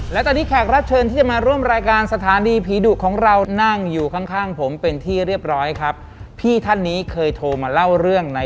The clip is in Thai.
และตอนนี้แขกรับเชิญที่จะมาร่วมรายการสถานีผีดุของเรานั่งอยู่ข้างข้างผมเป็นที่เรียบร้อยครับพี่ท่านนี้เคยโทรมาเล่าเรื่องใน